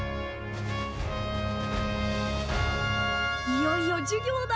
いよいよ授業だ！